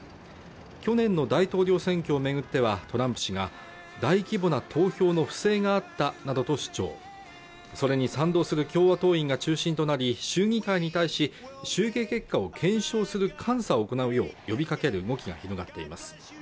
去年の大統領選挙をめぐってはトランプ氏が大規模な投票の不正があったなどと主張それに賛同する共和党員が中心となり州議会に対し集計結果を検証する監査を行うよう呼びかける動きが広がっています